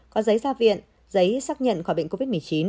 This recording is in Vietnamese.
có giấy gia viện giấy xác nhận khỏi bệnh covid một mươi chín